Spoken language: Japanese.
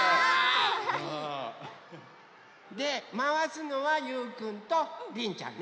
でまわすのはゆうくんとりんちゃんね。